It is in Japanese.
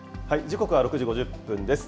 時刻は６時５０分です。